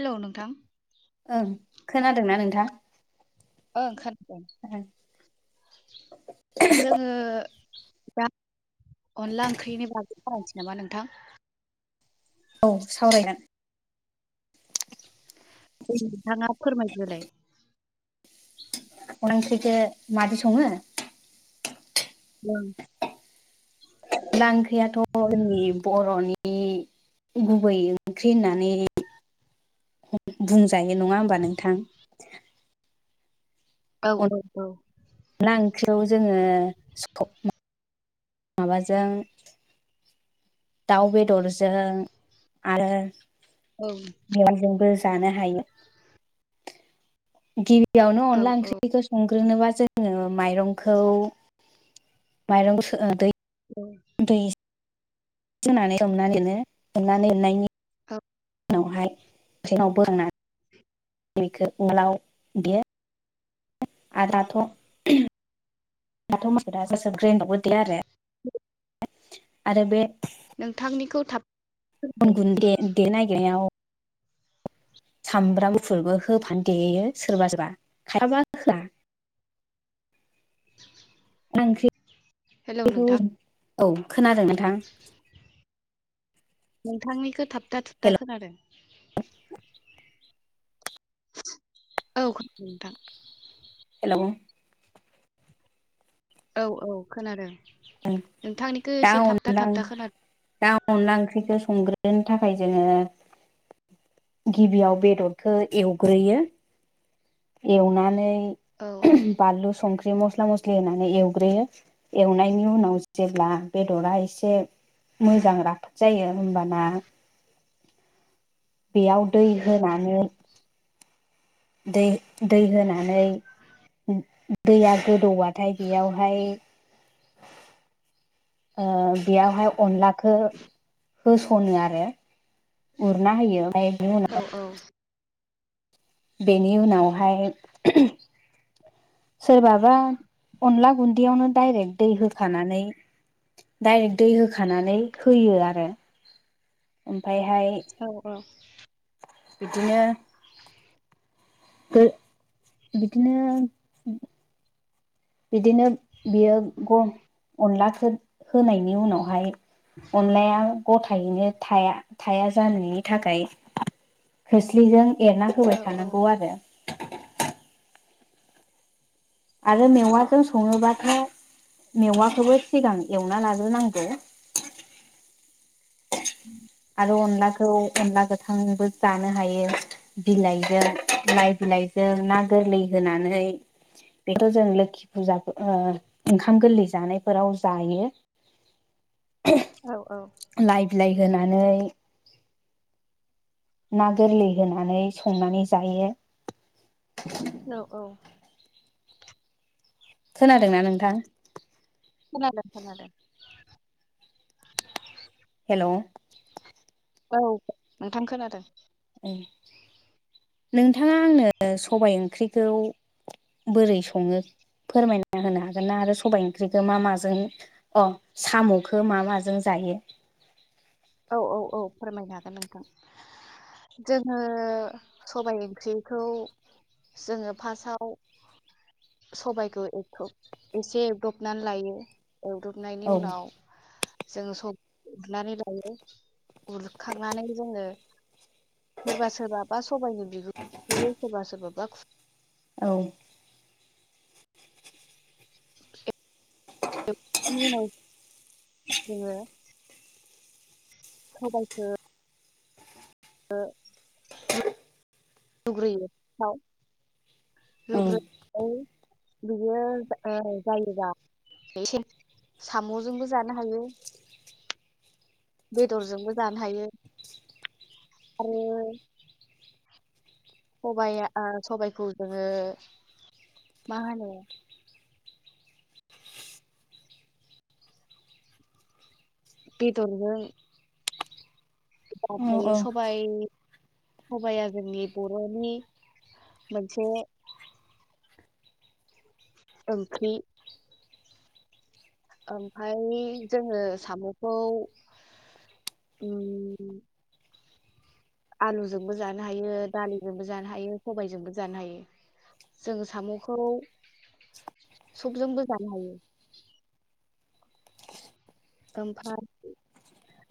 Hello नोंथां। ओं खोनादोंना नोंथां? ओ ओंखारदों जोंङो दा अनला ओंख्रिनि बागै सावरायनोसै नामा नोंथां? औ सावरायगोन। नोंथाङा फोरमायग्रोलाय। अनला ओंख्रिखो मादि सङो उम। अनला ओंखैयाथ' जोंनि बर'नि गुबै ओंख्रि होननानै [inaudible] बुंजायो नङा होमबा नोंथां? औ औ औ। अनला ओंख्रियाव जोङो माबाजों दाउ बेदरजों आरो औ। मेवाइजोंबो जानो हायो। गिबियावनो औ अनला औ ओंख्रिखौ संग्रोनोबा जोङो माइरंखौ माइरं सो दै औ। दै [unintelligible] औ उनावहाय [unintelligible] बेखौ उवालाव देयो आरो दाथ' दाथ' मानसिफ्रा सोरबा सोरबा ग्रेन्दडआवबो देयो आरो आरो बे नोंथांनिखौ थाब उन गुन दे दे नागिरनायाव सामब्राम गुफुरबो होफानो देयो सोरबा सोरबा खायफाबा होआ [inaudible] ओंख्रि हेलौ नोंथां औ खोनादों नोंथां। नोंथांनिखौ थाबथा थुबथा हेल' खोनादों। औ खोनांदों नोंथां। हेल'। औ औ खोनादों नोंथांनिखौ दा एसे थाबथा अनला थाबथा खोनादों। दा अनला ओंख्रिखौ संग्रोनो थाखाय जोङो गिबियाव बेदर खो एवग्रोयो एवनानै औ बानलु संख्रि ख्रि मस्ला मस्लि होनानै एवग्रोयो एवनायनि उनाव जेब्ला बेदरा एसे मोजां राफोद जायो होमबाना बेयाव दै होनानै दै दै होनानै दैया गोदौबाथाय बेयावहाय ओ बेयावहाय अनलाखौ होस'नो आरो। उरना होयो ओमफ्राय बेनि औ उनाव औ। बेनि उनावहाय सोरबाबा अनला गुन्दैयावनो डाइरेक्ट दै होखानानै डायरेक्ट दै होखानानै होयो आरो ओमफायहाय औ औ बिदिनो बे बिदिनो बिदिनो बियो ग अनलाखौ होनायनि उनावहाय अनलाया गथायैनो थाया थाया जानायनि थाखाय खोस्लिजों एरना औ होबाय औ थानांगौ आरो। आरो मेवाजों सङोबाथाय मेवाखौबो सिगां एवना लाग्रोनांगो उम आरो अनलाखौ अनला गोथांबो जानो हायो बिलाइजों माय बिलाइजों ना गोरलै होनानै बेखौ जों लोखि फुजा ओ ओंखाम गोरलै जानायफोराव जायो औ औ लाइ बिलाइ होनानै ना गोरलै होनानै संनानै जायो औ औ खोनादोंना नोंथां खोनादों खोनादों हेल' औ नोंथां खोनादों नोंथाङा आंनो सबाय ओंख्रिखौ बोरै सङो फोरमायना होनो हागोन ना आरो सबाय ओंख्रिखौ मा माजों अ साम'खौ मा माजों जायो औ औ औ फोरमायनो हागोन नोंथां जोङो सबाय ओंख्रिखौ जोङो फासआव सबाइखौ ए [unintelligible] एसे एवदबनानै लायो एवदबनायनि औ उनाव जोङो स [unintelligible] नानै [unintelligible] उरखांनानै जोङो सोरबा सोरबा बा सबाइनि बिगुर खुयो सोरबा सोरबाबा खु औ [unintelligible] उनाव जोङो सबायखो खो रु रुग्रोयो थाव औ रुग्रो [unintelligible] बियो ओ जायोबा [unintelligible] साम'जोंबो जानो हायो बेदरजोंबो जानो हायो आरो सबाइआ सबायाइखौ जोङो मा होनो बेदरजों जानो औ हायो औ सबाय सबाया जोंनि बर'नि मोनसे ओंख्रि ओमफाय जोङो साम'खौ उम आलुजोंबो जानो हायो दालिजोंबो जानो हायो सबायजोंबो जानो हायो जोङो साम'खौ सबजोंबो जानो हायो ओमफा [unintelligible]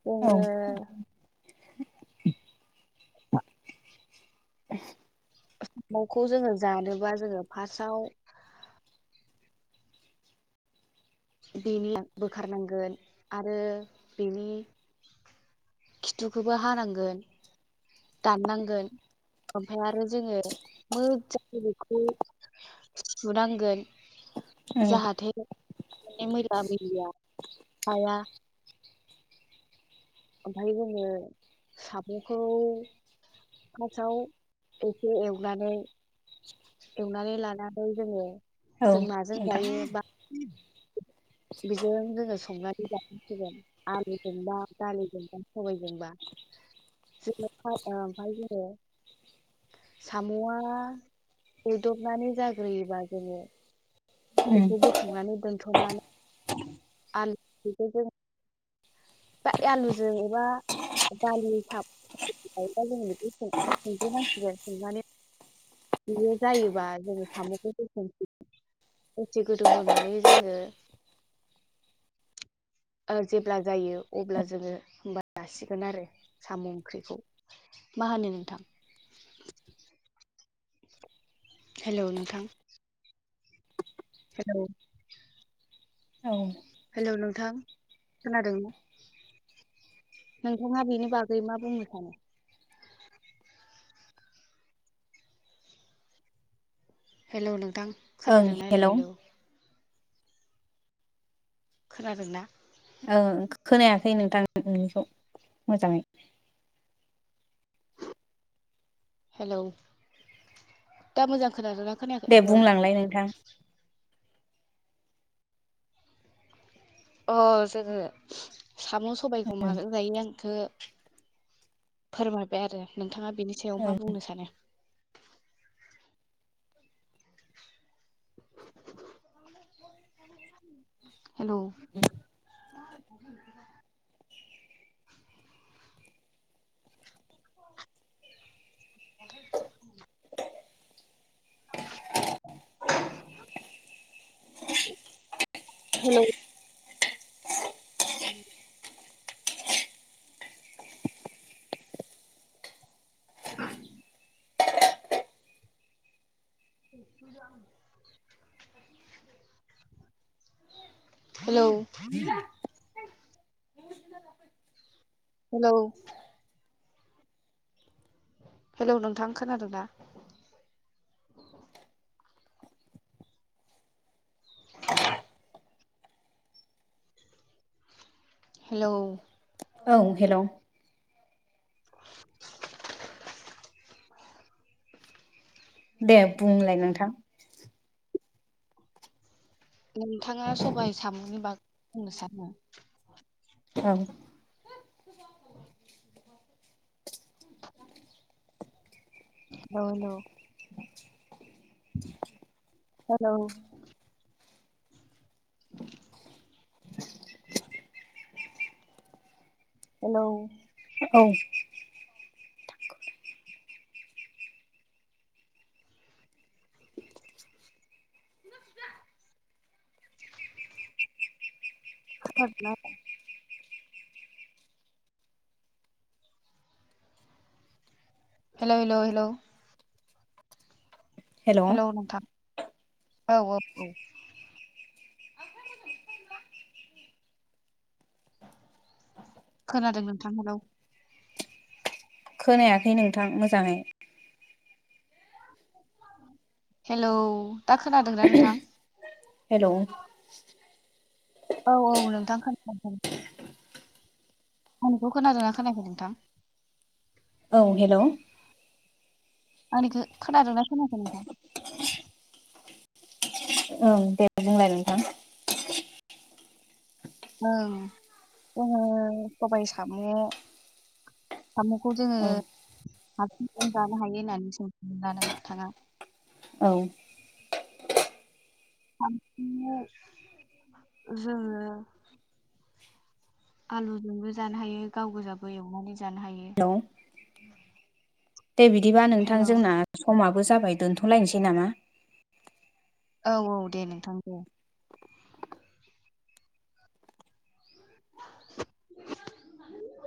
जोङो औ आ [unintelligible] म'खौ जोङो जानोबा जोङो फासआव बेनि बोखारनांगोन आरो बेनि खिथुखौबो हानांगोन दाननांगोन ओमफ्राय आरो जोङो मोजां बेखौ सुनांगोन औ जाहाथे [unintelligible] हाया। ओमफाय जोङो साम'खौ फासआव एसे एवनानै एवनानै लानानै जोङो औ जों माजों नोंथां जायो बा बेजों लोगो संनानै जाहांसिगोन। आलुजोंबा दालिजोंबा सबबायजोंबा जो ओमफ्राय ओ फाय जोङो। साम'आ एदबनानै जाग्रोयोबा जोङो बेखौ बोखांनानै दोनथ'नानै [inaudible] बा ए आलुजों एबा दालि फा [unintelligible] बियो जायोबा जोङो साम'खौ [unintelligible] गोदौ होनानै जोङो ओ जेब्ला जायो अब्ला जोङो होमबा जासिगोन आरो साम' ओंख्रिखौ। मा होनो नोंथां? हेल' नोंथां। हेलौ? औ। हेलौ नोंथां खोनादों? नोंथाङा बेनि बागै मा बुंनो सानो? हेलौ नोंथां ओं खोनादोंना हेल' ओं हेलौ-हेलौ। खोनादोंना? ओ खोनायाखै नोंथां नोंनिखौ मोजाङै। हेलौ दा मोजां खोनादोंना खोनायाखै दे हेलौ। बुंलांलाय नोंथां अ जोङो साम' सबायखौ माजों जायो आंखो फोरमायबाय आरो नोंथाङा बिनि सायाव मा बुंनो सानो। हेलौ। [unintelligible] [inaudible] हेलौ। उम। [inaudible] [unintelligible] हेलौ। हेलौ। हेलौ नोंथां खोनादों ना? [inaudible] हेलौ। औ हेलौ। [inaudible] दे बुंलाय नोंथां। नोंथाङा सबायाइ साम'नि बाग बुंनो सानो। ओं। हेलौ-हेलौ। हेलौ। [inaudible] हेलौ। औ। खोनादोंना हेल' हेल' हेल' हेल' हेलौ नोंथां औ औ औ खोनादों नोंथां हेलौ। खोनायाखै नोंथां मोजाङै। हेलौ दा खोनादोंना नोंथां? हेलौ। औ औ नोंथां खोनादों आंनिखौ खोनादोंना खोनायाखै नोंथां औ हेल' आंनिखौ खोनादोंना खोनायाखै नोंथां ओं दे बुंलाय नोंथां जोङो सबायाइ साम' साम'खौ जोङो औ हारसिंजों जानो हायो होननानै जों स न नोंथाङा औ हांसि जोङो आलुजोंबो जानो हायो गाव गोजाबो एवनानै जानो हायो हेल' दे बिदिबा नोंथां हेलौ जोंना समाबो जाबाय दोन्थ'लायनोसै नामा औ औ दे नोंथां दे